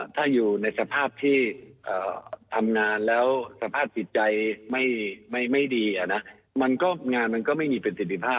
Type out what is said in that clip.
ถ้าอยู่ในสภาพที่ทำงานแล้วสภาพจิตใจไม่ดีมันก็งานมันก็ไม่มีประสิทธิภาพ